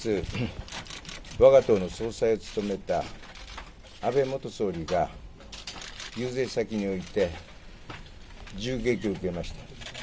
本日、わが党の総裁を務めた安倍元総理が、遊説先において、銃撃を受けました。